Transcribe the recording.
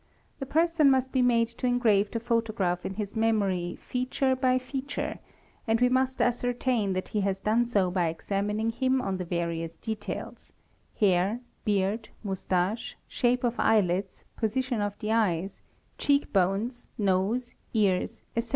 'The person must be made — to engrave the photograph in his memory feature by feature and we must — ascertain that he has done so by examining him on the various details ; hair, beard, moustache, shape of eyelids, position of the eyes, cheek — bones, nose, ears, etc.